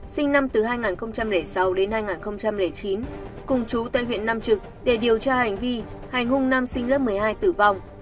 sinh năm hai nghìn sáu đến hai nghìn chín cùng chú tại huyện nam trực để điều tra hành vi hành hung nam sinh lớp một mươi hai tử vong